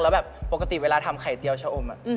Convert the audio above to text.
ก้ะตีประกอบเวลาของทำไข่เจียวชะอม